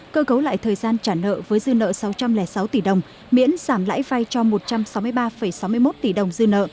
cơ cấu lại thời gian trả nợ với dư nợ sáu trăm linh sáu tỷ đồng miễn giảm lãi vay cho một trăm sáu mươi ba sáu mươi một tỷ đồng dư nợ